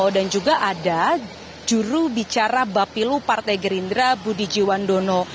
dan juga ada juru bicara bapilu partai gerindra budi jiwandono